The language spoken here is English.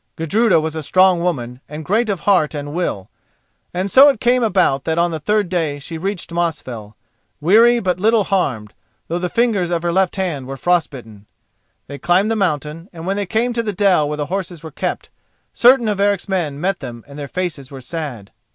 Gudruda was a strong woman and great of heart and will, and so it came about that on the third day she reached Mosfell, weary but little harmed, though the fingers of her left hand were frostbitten. They climbed the mountain, and when they came to the dell where the horses were kept, certain of Eric's men met them and their faces were sad.